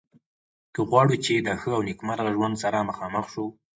که غواړو چې د ښه او نیکمرغه ژوند سره مخامخ شو.